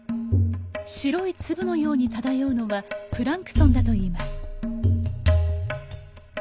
白い粒のように漂うのはプランクトンだといいます。